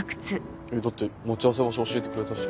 えっだって待ち合わせ場所教えてくれたし。